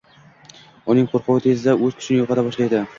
uning qo‘rquvi tezda o‘z kuchini yo‘qota boshlaydi.